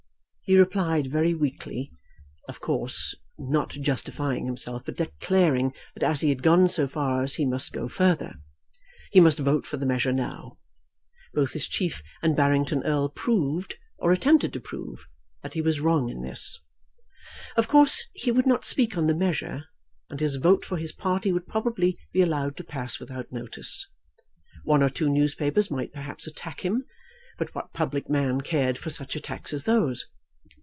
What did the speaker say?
He replied very weakly, of course, not justifying himself, but declaring that as he had gone so far he must go further. He must vote for the measure now. Both his chief and Barrington Erle proved, or attempted to prove, that he was wrong in this. Of course he would not speak on the measure, and his vote for his party would probably be allowed to pass without notice. One or two newspapers might perhaps attack him; but what public man cared for such attacks as those?